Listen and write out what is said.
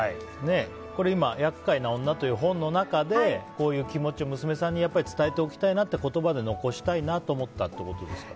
「厄介なオンナ」の本の中でこういう気持ちを娘さんに伝えておきたいなという言葉で残したいなと思ったということですか？